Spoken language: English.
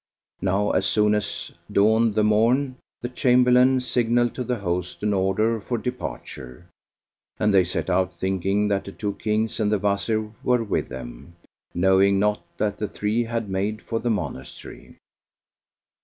Now as soon as dawned the morn, the Chamberlain signalled to the host an order for departure, and they set out thinking that the two Kings and the Wazir were with them; knowing not that the three had made for the monastery.